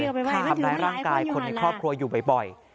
ทำร้ายร่างกายคนในครอบครัวอยู่บ่อย